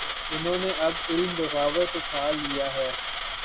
انہوں نے اب علم بغاوت اٹھا لیا ہے۔